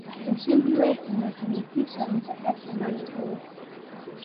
ushindi wetu ni uthibitisho wa mikakati ya lengo letu